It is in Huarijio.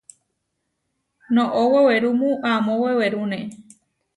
Noʼó wewerúmu amó wewerúne.